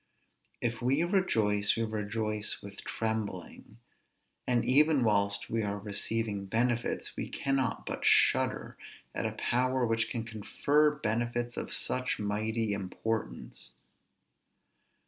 If we rejoice, we rejoice with trembling; and even whilst we are receiving benefits, we cannot but shudder at a power which can confer benefits of such mighty importance.